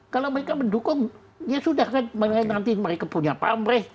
kalau mereka mendukung ya sudah kan nanti mereka punya pamreh